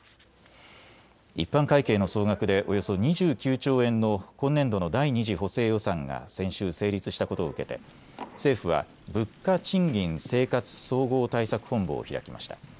一般会計の総額でおよそ２９兆円の今年度の第２次補正予算が先週成立したことを受けて政府は物価・賃金・生活総合対策本部を開きました。